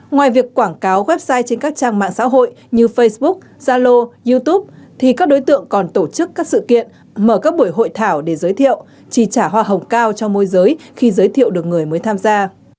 ngoài việc quảng cáo website trên các trang mạng xã hội như facebook zalo youtube thì các đối tượng còn tổ chức các sự kiện mở các buổi hội thảo để giới thiệu chi trả hoa hồng cao cho môi giới khi giới thiệu được người mới tham gia